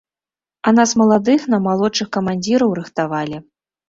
А нас маладых на малодшых камандзіраў рыхтавалі.